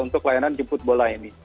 untuk layanan jemput bola ini